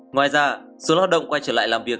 ngoài ra số lao động quay trở lại làm việc